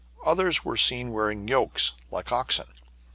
Others were seen wearing yokes, like oxen.